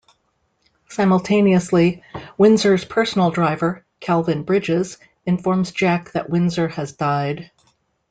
Simultaneously, Windsor's personal driver, Calvin Bridges, informs Jack that Windsor has died.